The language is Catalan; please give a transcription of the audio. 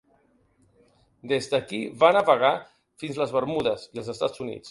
Des d"aquí, va navegar fins les Bermudes i els Estats Units.